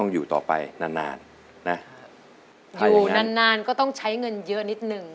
อยู่นานก็ต้องใช้เงินเยอะนิดหนึ่ง